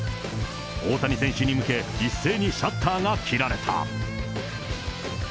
大谷選手に向け、一斉にシャッターが切られた。